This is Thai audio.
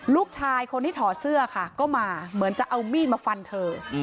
ลูกชายคนที่ถอดเสื้อค่ะก็มาเหมือนจะเอามีดมาฟันเธอ